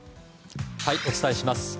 お伝えします。